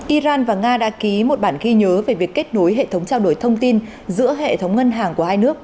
iran và nga đã ký một bản ghi nhớ về việc kết nối hệ thống trao đổi thông tin giữa hệ thống ngân hàng của hai nước